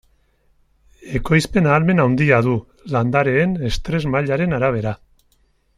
Ekoizpen ahalmen handia du, landareen estres mailaren arabera.